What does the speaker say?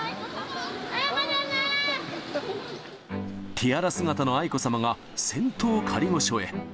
ティアラ姿の愛子さまが仙洞仮御所へ。